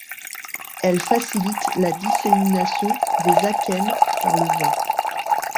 Elles facilitent la dissémination des akènes par le vent.